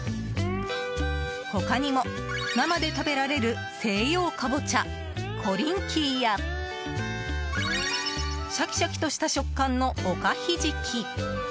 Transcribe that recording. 他にも、生で食べられる西洋カボチャ、コリンキーやシャキシャキとした食感のオカヒジキ。